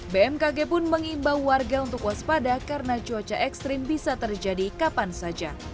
bmkg pun mengimbau warga untuk waspada karena cuaca ekstrim bisa terjadi kapan saja